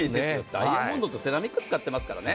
ダイヤモンドとセラミック使ってますからね。